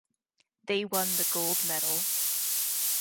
They won the gold medal.